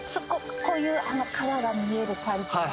こういう川が見える感じのテラス